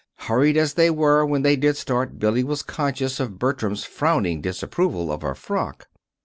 Hurried as they were when they did start, Billy was conscious of Bertram's frowning disapproval of her frock.